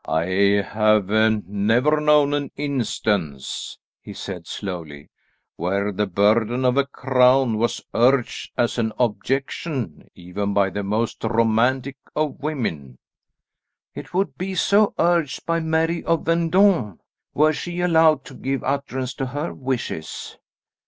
"I have never known an instance," he said slowly, "where the burden of a crown was urged as an objection even by the most romantic of women." "It would be so urged by Mary of Vendôme, were she allowed to give utterance to her wishes."